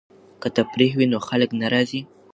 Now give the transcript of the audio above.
که تفریح وي نو خفګان نه راځي.